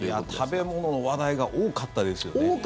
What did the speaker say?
食べ物の話題が多かったですよね。